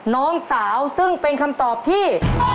น้องสาวซึ่งเป็นคำตอบที่